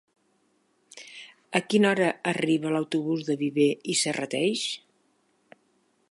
A quina hora arriba l'autobús de Viver i Serrateix?